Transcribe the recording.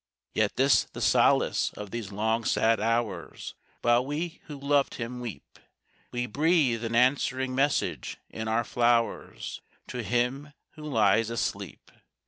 Yet this the solace of these long sad hours While we who loved him weep, We breathe an answering message in our flowers To him who lies asleep.